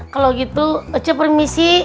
kalau gitu ece permisi